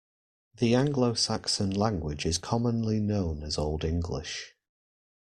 The Anglo-Saxon language is commonly known as Old English.